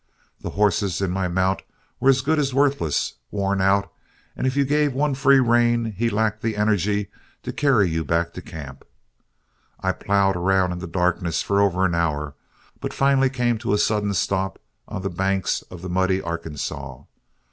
The horses in my mount were as good as worthless; worn out, and if you gave one free rein he lacked the energy to carry you back to camp. I ploughed around in the darkness for over an hour, but finally came to a sudden stop on the banks of the muddy Arkansaw.